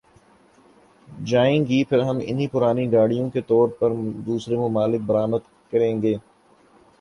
جائیں گی پھر ہم انہیں پرانی گاڑیوں کے طور پر دوسرے ممالک برآمد کریں گئے